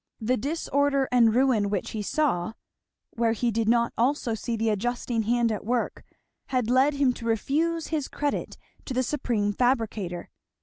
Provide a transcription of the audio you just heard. The disorder and ruin which he saw, where he did not also see the adjusting hand at work, had led him to refuse his credit to the Supreme Fabricator.